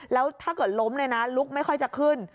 แล้วถ้าเกิดล้มเลยนะลุกไม่ค่อยจะขึ้น